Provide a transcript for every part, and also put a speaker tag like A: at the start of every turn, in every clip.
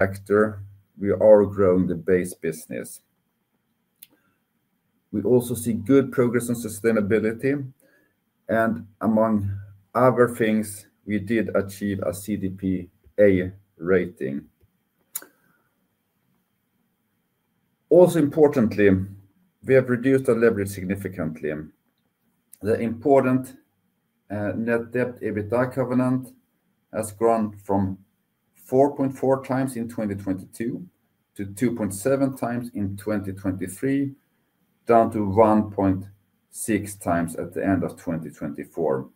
A: We are growing the base business. We also see good progress on sustainability, and among other things, we did achieve a CDP rating. Also, importantly, we have reduced our leverage significantly. The important net debt EBITDA covenant has grown from 4.4 times in 2022 to 2.7 times in 2023, down to 1.6 times at the end of 2024.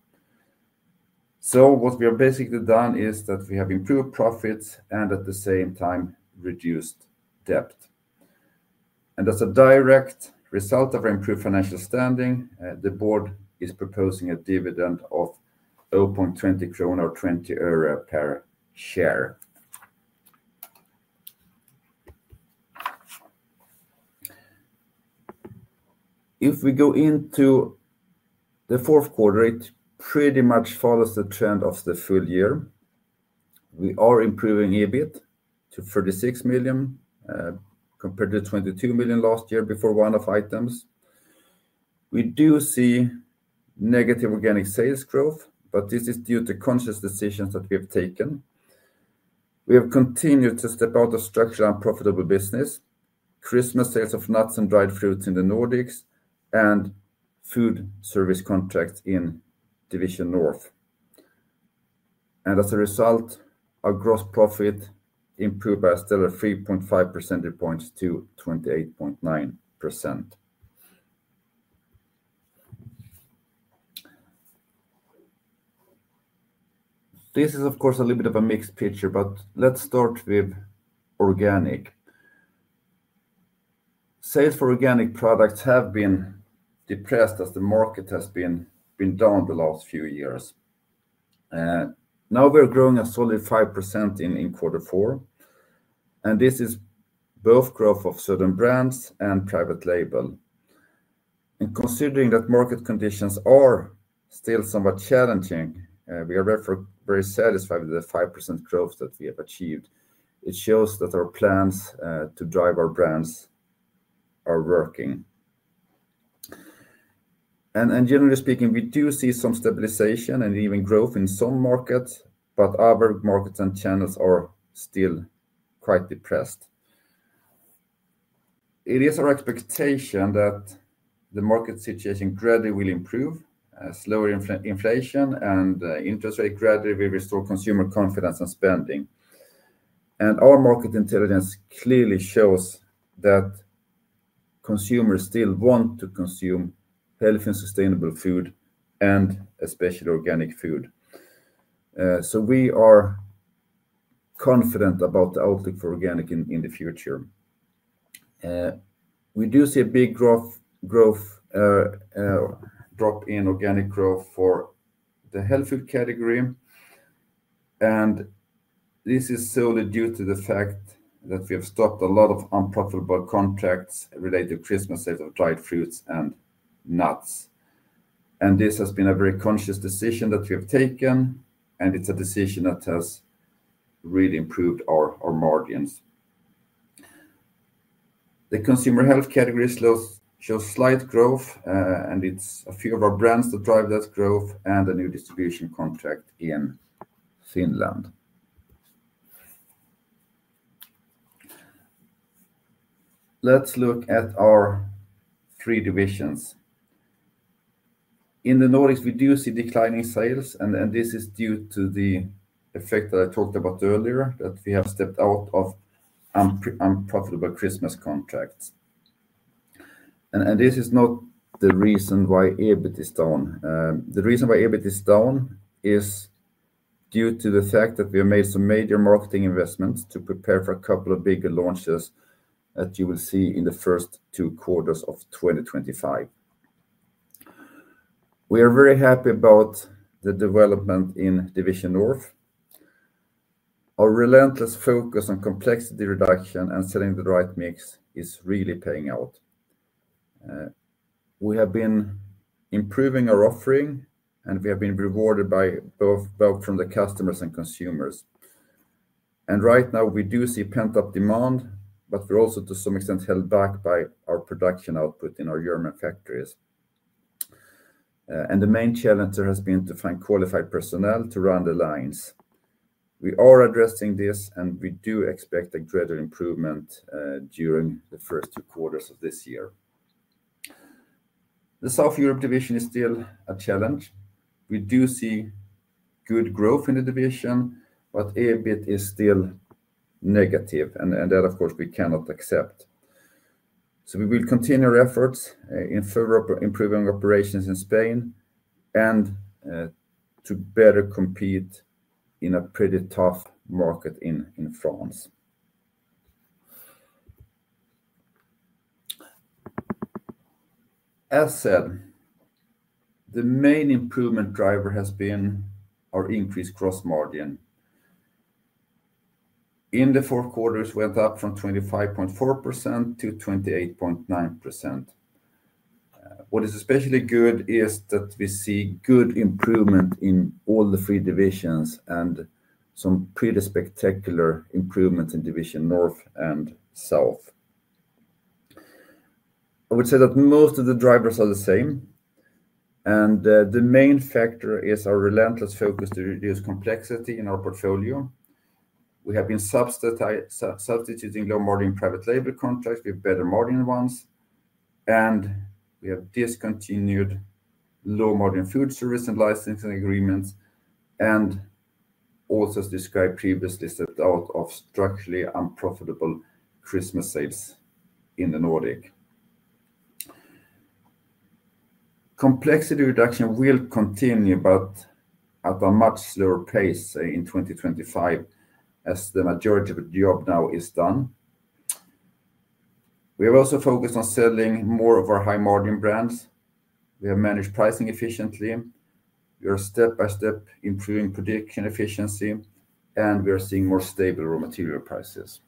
A: So what we have basically done is that we have improved profits and, at the same time, reduced debt. And as a direct result of our improved financial standing, the board is proposing a dividend of 0.20 krona or 20 öre per share. If we go into the Q4, it pretty much follows the trend of the full year. We are improving EBIT to 36 million compared to 22 million last year before one-off items. We do see negative organic sales growth, but this is due to conscious decisions that we have taken. We have continued to step out of structurally unprofitable business, Christmas sales of nuts and dried fruits in the Nordics, and food service contracts in Division North. And as a result, our gross profit improved by a stellar 3.5 percentage points to 28.9%. This is, of course, a little bit of a mixed picture, but let's start with organic. Sales for organic products have been depressed as the market has been down the last few years. Now we're growing a solid 5% in Q4, and this is both growth of certain brands and private label. And considering that market conditions are still somewhat challenging, we are therefore very satisfied with the 5% growth that we have achieved. It shows that our plans to drive our brands are working. And generally speaking, we do see some stabilization and even growth in some markets, but other markets and channels are still quite depressed. It is our expectation that the market situation gradually will improve, slower inflation, and interest rate gradually will restore consumer confidence and spending. And our market intelligence clearly shows that consumers still want to consume healthy and sustainable food, and especially organic food. So we are confident about the outlook for organic in the future. We do see a big growth drop in organic growth for the health food category, and this is solely due to the fact that we have stopped a lot of unprofitable contracts related to Christmas sales of dried fruits and nuts. And this has been a very conscious decision that we have taken, and it's a decision that has really improved our margins. The consumer health category shows slight growth, and it's a few of our brands that drive that growth and a new distribution contract in Finland. Let's look at our three divisions. In the Nordics, we do see declining sales, and this is due to the effect that I talked about earlier, that we have stepped out of unprofitable Christmas contracts. And this is not the reason why EBIT is down. The reason why EBIT is down is due to the fact that we have made some major marketing investments to prepare for a couple of bigger launches that you will see in the first two quarters of 2025. We are very happy about the development in Division North. Our relentless focus on complexity reduction and setting the right mix is really paying out. We have been improving our offering, and we have been rewarded by both from the customers and consumers. And right now, we do see pent-up demand, but we're also to some extent held back by our production output in our German factories. And the main challenge has been to find qualified personnel to run the lines. We are addressing this, and we do expect a greater improvement during the first two quarters of this year. The South Europe division is still a challenge. We do see good growth in the division, but EBIT is still negative, and that, of course, we cannot accept. So we will continue our efforts in further improving operations in Spain and to better compete in a pretty tough market in France. As said, the main improvement driver has been our increased gross margin. In the Q4, it went up from 25.4%-28.9%. What is especially good is that we see good improvement in all the three divisions and some pretty spectacular improvements in Division North and Division South. I would say that most of the drivers are the same, and the main factor is our relentless focus to reduce complexity in our portfolio. We have been substituting low-margin private label contracts with better margin ones, and we have discontinued low-margin food service and licensing agreements, and also as described previously, stepped out of structurally unprofitable Christmas sales in the Nordics. Complexity reduction will continue, but at a much slower pace in 2025 as the majority of the job now is done. We have also focused on selling more of our high-margin brands. We have managed pricing efficiently. We are step by step improving production efficiency, and we are seeing more stable raw material prices.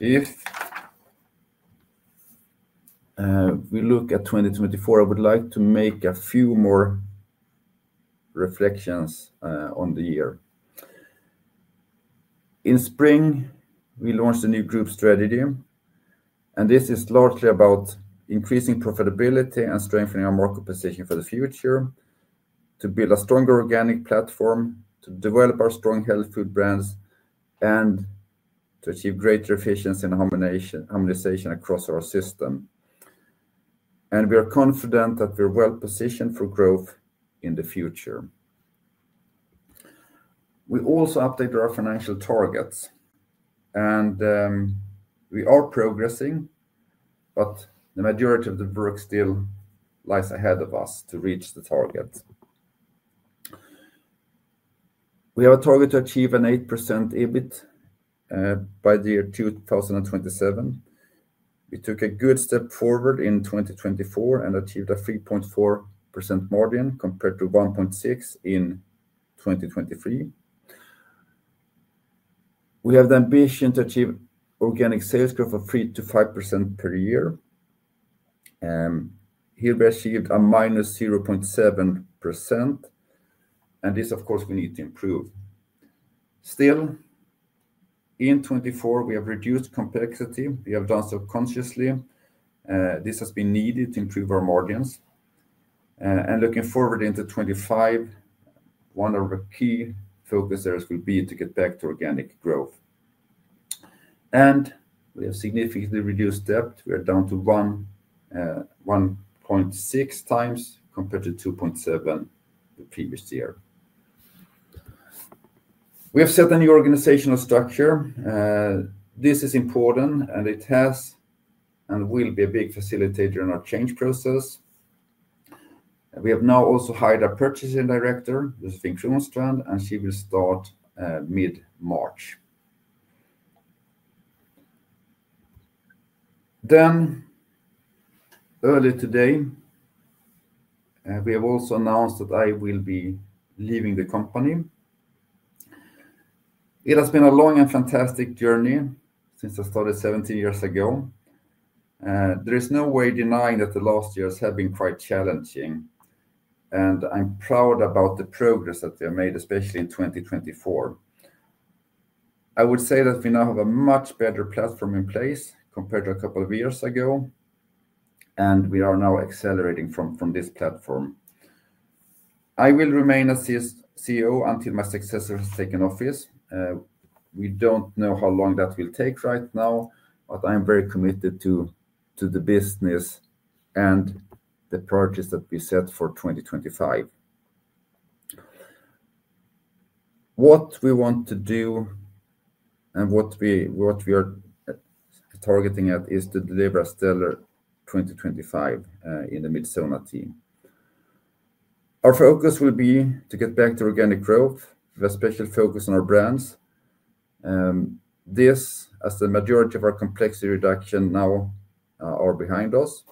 A: If we look at 2024, I would like to make a few more reflections on the year. In spring, we launched a new group strategy, and this is largely about increasing profitability and strengthening our market position for the future, to build a stronger organic platform, to develop our strong health food brands, and to achieve greater efficiency and harmonization across our system. And we are confident that we are well positioned for growth in the future. We also updated our financial targets, and we are progressing, but the majority of the work still lies ahead of us to reach the target. We have a target to achieve an 8% EBIT by the year 2027. We took a good step forward in 2024 and achieved a 3.4% margin compared to 1.6% in 2023. We have the ambition to achieve organic sales growth of 3%-5% per year. Here we achieved a minus 0.7%, and this, of course, we need to improve. Still, in 2024, we have reduced complexity. We have done so consciously. This has been needed to improve our margins. And looking forward into 2025, one of our key focus areas will be to get back to organic growth. And we have significantly reduced debt. We are down to 1.6 times compared to 2.7 the previous year. We have set a new organizational structure. This is important, and it has and will be a big facilitator in our change process. We have now also hired our Purchasing Director, Ms. Fryklund Strand, and she will start mid-March. Then, earlier today, we have also announced that I will be leaving the company. It has been a long and fantastic journey since I started 17 years ago. There is no way denying that the last years have been quite challenging, and I'm proud about the progress that we have made, especially in 2024. I would say that we now have a much better platform in place compared to a couple of years ago, and we are now accelerating from this platform. I will remain as CEO until my successor has taken office. We don't know how long that will take right now, but I'm very committed to the business and the priorities that we set for 2025. What we want to do and what we are targeting at is to deliver a stellar 2025 in the Midsona team. Our focus will be to get back to organic growth with a special focus on our brands. This, as the majority of our complexity reduction now are behind us.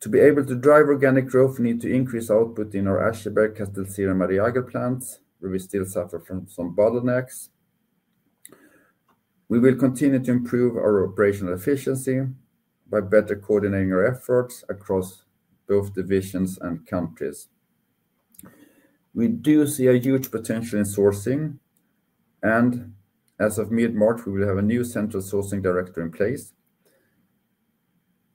A: To be able to drive organic growth, we need to increase output in our Ascheberg, Castellcir, and Mariager plants, where we still suffer from some bottlenecks. We will continue to improve our operational efficiency by better coordinating our efforts across both divisions and countries. We do see a huge potential in sourcing, and as of mid-March, we will have a new central sourcing director in place.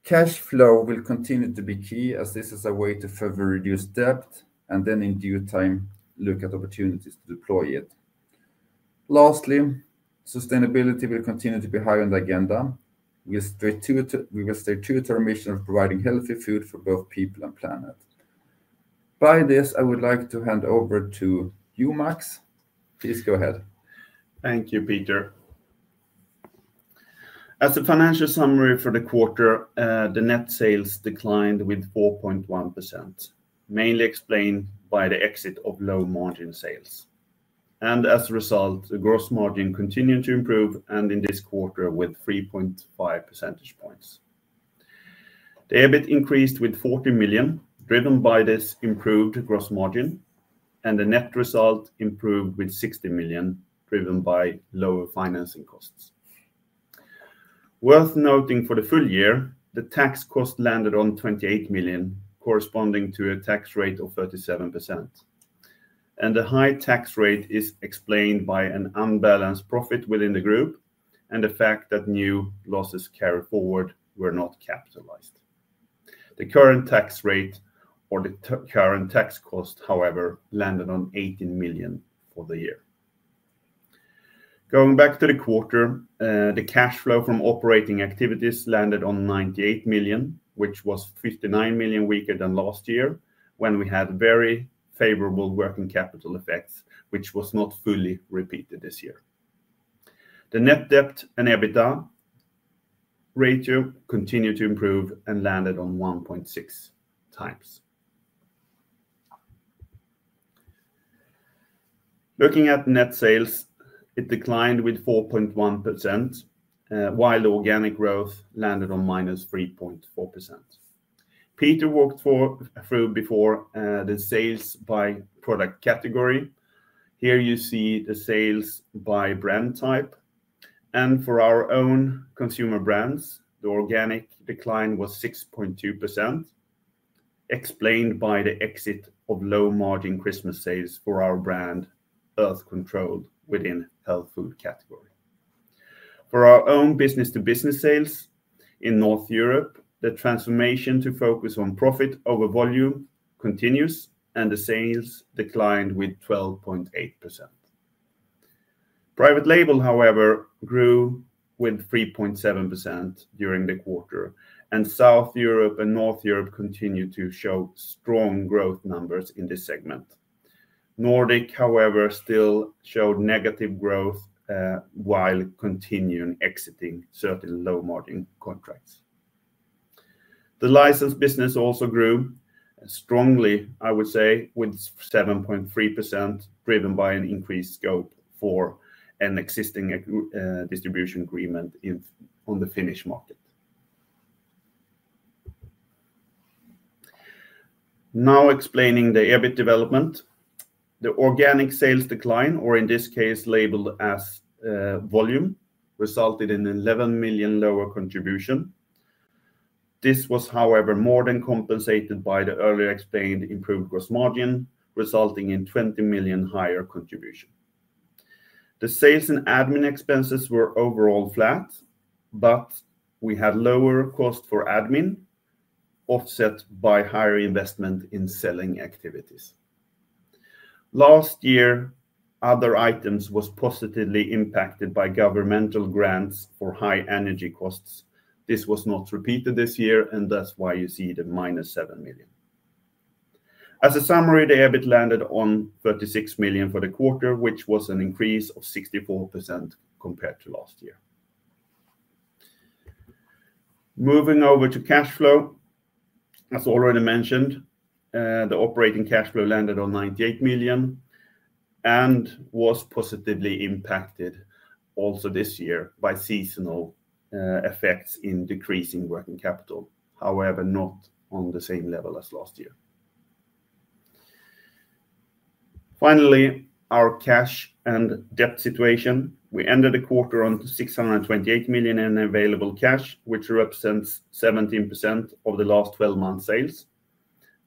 A: Cash flow will continue to be key as this is a way to further reduce debt and then, in due time, look at opportunities to deploy it. Lastly, sustainability will continue to be high on the agenda. We will stay true to our mission of providing healthy food for both people and planet. By this, I would like to hand over to you, Max. Please go ahead. Thank you, Peter.
B: As a financial summary for the quarter, the net sales declined with 4.1%, mainly explained by the exit of low-margin sales, and as a result, the gross margin continued to improve, and in this quarter, with 3.5 percentage points. The EBIT increased with 40 million, driven by this improved gross margin, and the net result improved with 60 million, driven by lower financing costs. Worth noting for the full year, the tax cost landed on 28 million, corresponding to a tax rate of 37%, and the high tax rate is explained by an unbalanced profit within the group and the fact that new losses carried forward were not capitalized. The current tax rate or the current tax cost, however, landed on 18 million for the year. Going back to the quarter, the cash flow from operating activities landed on 98 million, which was 59 million weaker than last year when we had very favorable working capital effects, which was not fully repeated this year. The net debt and EBITDA ratio continued to improve and landed on 1.6 times. Looking at net sales, it declined with 4.1%, while organic growth landed on minus 3.4%. Peter worked through before the sales by product category. Here you see the sales by brand type. And for our own consumer brands, the organic decline was 6.2%, explained by the exit of low-margin Christmas sales for our brand, Earth Control, within health food category. For our own business-to-business sales in North Europe, the transformation to focus on profit over volume continues, and the sales declined with 12.8%. Private label, however, grew with 3.7% during the quarter, and South Europe and North Europe continued to show strong growth numbers in this segment. Nordic, however, still showed negative growth while continuing exiting certain low-margin contracts. The license business also grew strongly, I would say, with 7.3%, driven by an increased scope for an existing distribution agreement on the Finnish market. Now explaining the EBIT development, the organic sales decline, or in this case, labeled as volume, resulted in an 11 million lower contribution. This was, however, more than compensated by the earlier explained improved gross margin, resulting in 20 million higher contribution. The sales and admin expenses were overall flat, but we had lower cost for admin offset by higher investment in selling activities. Last year, other items were positively impacted by governmental grants for high energy costs. This was not repeated this year, and that's why you see the minus 7 million. As a summary, the EBIT landed on 36 million for the quarter, which was an increase of 64% compared to last year. Moving over to cash flow, as already mentioned, the operating cash flow landed on 98 million and was positively impacted also this year by seasonal effects in decreasing working capital, however, not on the same level as last year. Finally, our cash and debt situation. We ended the quarter on 628 million in available cash, which represents 17% of the last 12 months' sales.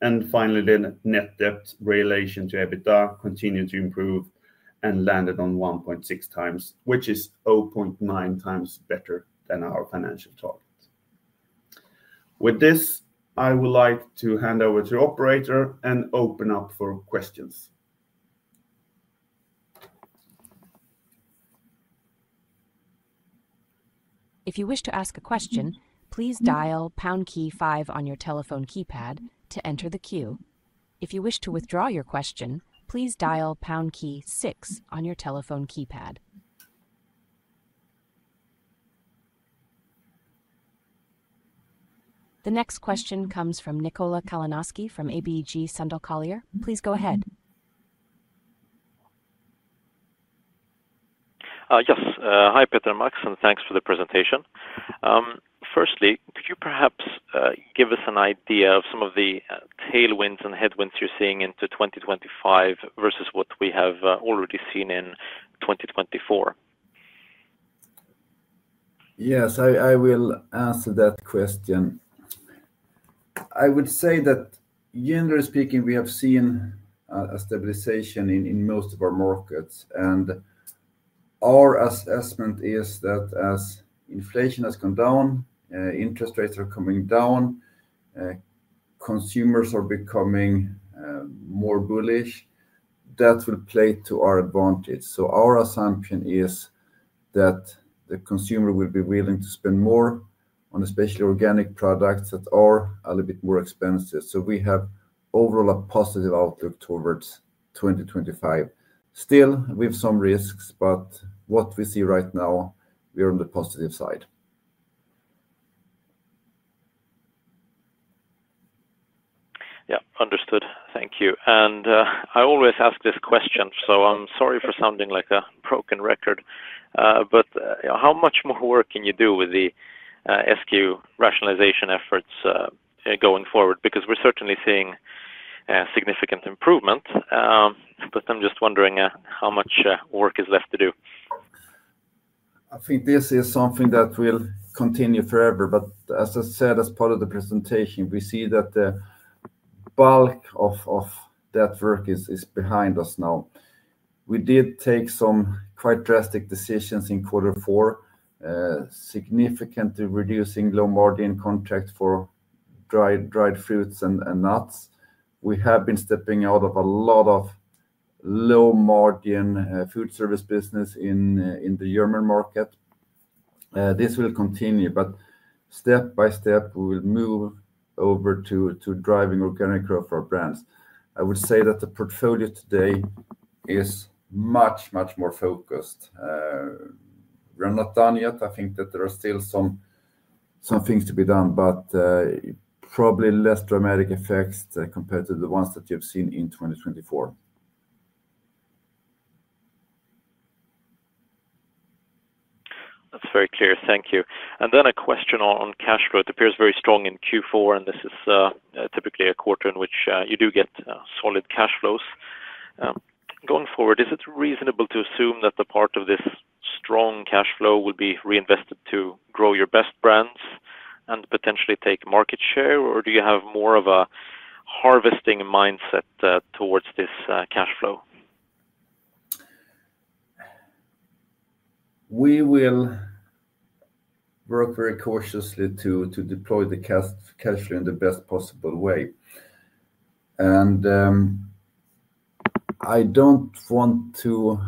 B: And finally, the net debt relation to EBITDA continued to improve and landed on 1.6 times, which is 0.9 times better than our financial target. With this, I would like to hand over to the operator and open up for questions.
C: If you wish to ask a question, please dial pound key five on your telephone keypad to enter the queue. If you wish to withdraw your question, please dial pound key six on your telephone keypad. The next question comes from Nikola Kalanoski from ABG Sundal Collier. Please go ahead.
D: Yes. Hi, Peter and Max, and thanks for the presentation. Firstly, could you perhaps give us an idea of some of the tailwinds and headwinds you're seeing into 2025 versus what we have already seen in 2024?
A: Yes, I will answer that question. I would say that, generally speaking, we have seen a stabilization in most of our markets, and our assessment is that as inflation has gone down, interest rates are coming down, consumers are becoming more bullish, that will play to our advantage. So our assumption is that the consumer will be willing to spend more on especially organic products that are a little bit more expensive. So we have overall a positive outlook towards 2025. Still, with some risks, but what we see right now, we are on the positive side.
D: Yeah, understood. Thank you. And I always ask this question, so I'm sorry for sounding like a broken record, but how much more work can you do with the SKU rationalization efforts going forward? Because we're certainly seeing significant improvement, but I'm just wondering how much work is left to do.
A: I think this is something that will continue forever, but as I said, as part of the presentation, we see that the bulk of that work is behind us now. We did take some quite drastic decisions in quarter four, significantly reducing low-margin contract for dried fruits and nuts. We have been stepping out of a lot of low-margin food service business in the German market. This will continue, but step by step, we will move over to driving organic growth for our brands. I would say that the portfolio today is much, much more focused. We're not done yet. That there are still some things to be done, but probably less dramatic effects compared to the ones that you've seen in 2024.
D: That's very clear. Thank you, and then a question on cash flow. It appears very strong in Q4, and this is typically a quarter in which you do get solid cash flows. Going forward, is it reasonable to assume that the part of this strong cash flow will be reinvested to grow your best brands and potentially take market share, or do you have more of a harvesting mindset towards this cash flow?
A: We will work very cautiously to deploy the cash flow in the best possible way, and I don't want to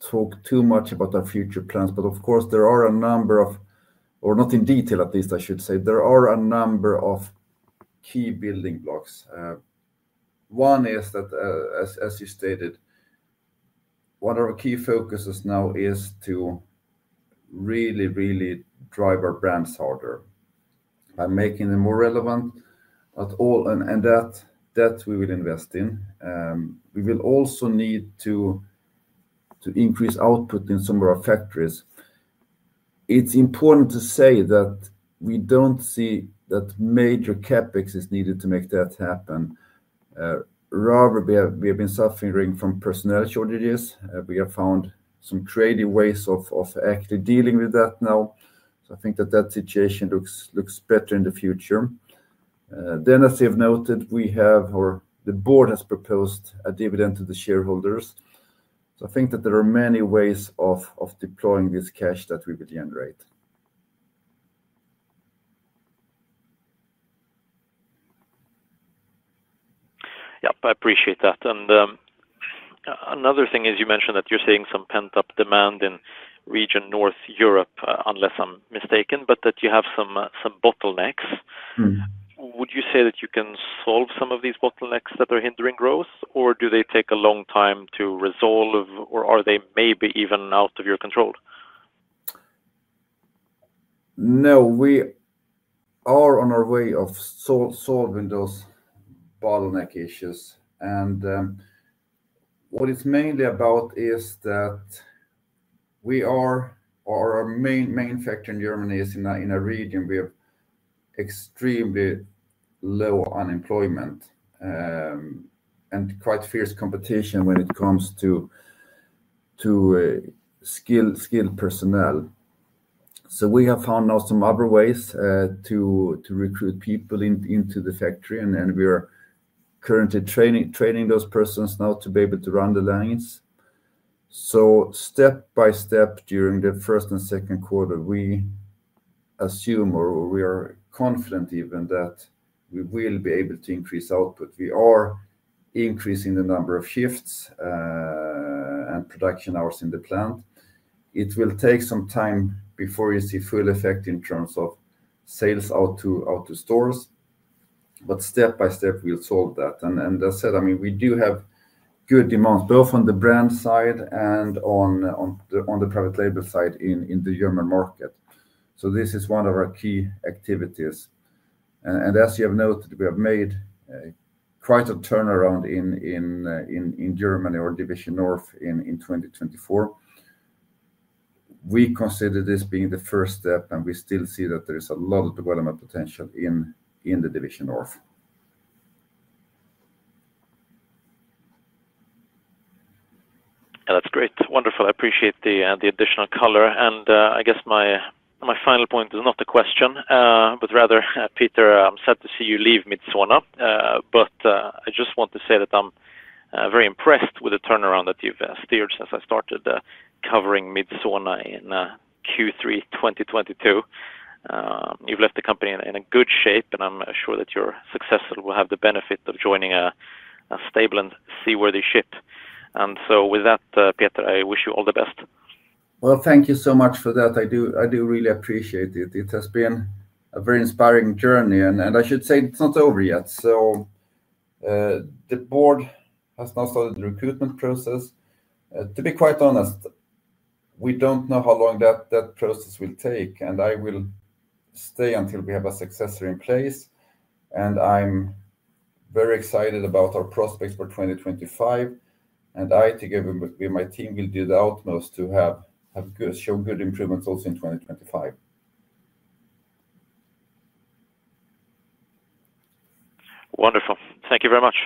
A: talk too much about our future plans, but of course, there are a number of, or not in detail at least, I should say, there are a number of key building blocks. One is that, as you stated, one of our key focuses now is to really, really drive our brands harder by making them more relevant, and that we will invest in. We will also need to increase output in some of our factories. It's important to say that we don't see that major CapEx is needed to make that happen. Rather, we have been suffering from personnel shortages. We have found some creative ways of actually dealing with that now, so I think that situation looks better in the future. Then, as you've noted, we have, or the board has proposed a dividend to the shareholders. So that there are many ways of deploying this cash that we will generate.
D: Yep, I appreciate that. And another thing is you mentioned that you're seeing some pent-up demand in Division North, unless I'm mistaken, but that you have some bottlenecks. Would you say that you can solve some of these bottlenecks that are hindering growth, or do they take a long time to resolve, or are they maybe even out of your control?
A: No, we are on our way of solving those bottleneck issues. And what it's mainly about is that we are, or our main factory in Germany is in a region with extremely low unemployment and quite fierce competition when it comes to skilled personnel. We have found now some other ways to recruit people into the factory, and we are currently training those persons now to be able to run the lines. Step by step, during the first and second quarter, we assume, or we are confident even, that we will be able to increase output. We are increasing the number of shifts and production hours in the plant. It will take some time before you see full effect in terms of sales out to stores, but step by step, we'll solve that. And as I said, we do have good demand, both on the brand side and on the private label side in the German market. So this is one of our key activities. And as you have noted, we have made quite a turnaround in Germany or Division North in 2024. We consider this being the first step, and we still see that there is a lot of development potential in the Division North.
D: That's great. Wonderful. I appreciate the additional color. And I guess my final point is not a question, but rather, Peter, I'm sad to see you leave Midsona. But I just want to say that I'm very impressed with the turnaround that you've steered since I started covering Midsona in Q3 2022. You've left the company in good shape, and I'm sure that your successor will have the benefit of joining a stable and seaworthy ship. And so with that, Peter, I wish you all the best.
A: Well, thank you so much for that. I do really appreciate it. It has been a very inspiring journey, and I should say it's not over yet. So the board has now started the recruitment process. To be quite honest, we don't know how long that process will take, and I will stay until we have a successor in place, and I'm very excited about our prospects for 2025, and I, together with my team, will do the utmost to show good improvements also in 2025.
D: Wonderful. Thank you very much.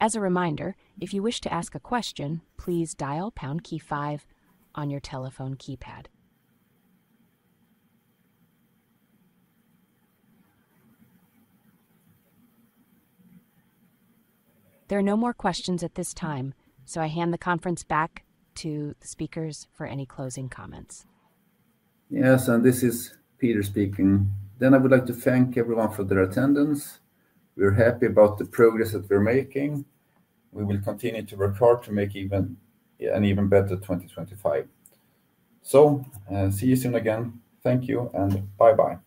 C: As a reminder, if you wish to ask a question, please dial pound key five on your telephone keypad. There are no more questions at this time, so I hand the conference back to the speakers for any closing comments.
A: Yes, and this is Peter speaking, then I would like to thank everyone for their attendance. We're happy about the progress that we're making. We will continue to work hard to make an even better 2025, so see you soon again. Thank you and bye-bye.